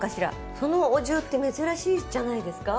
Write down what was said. そのお重って珍しいじゃないですか。